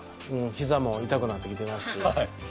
ひざも痛くなってきてますし。